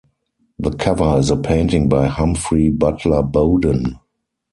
The cover is a painting by Humphrey Butler-Bowden.